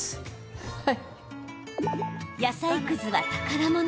野菜くずは宝物。